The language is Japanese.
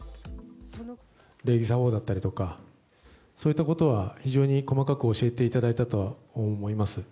礼儀作法だったりとか、そういったことは非常に細かく教えていただいたとは思います。